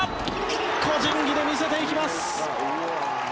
個人技で見せていきます。